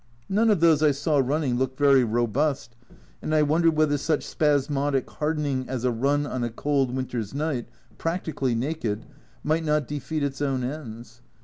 None of those I saw running looked very robust, and I wondered whether such spasmodic hardening as a run on a cold winter's night, practi cally naked, might not defeat its own ends.